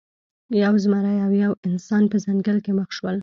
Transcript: یو زمری او یو انسان په ځنګل کې مخ شول.